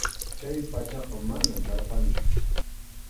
Chay pachaqa manam karqanchu.